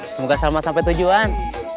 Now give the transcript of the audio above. semoga selamat sampai tujuan